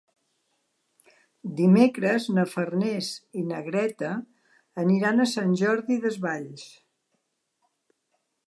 Dimecres na Farners i na Greta aniran a Sant Jordi Desvalls.